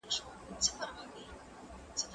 که وخت وي، بازار ته ځم!.